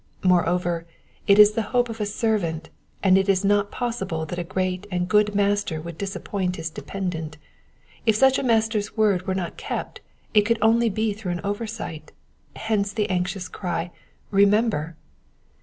Moreover, it is the hope of a servant, and it is not possible that a great and good master would disappoint his dependent ; if such a master's word were not kept it could only be through an oversight, hence the anxious cry, Remember."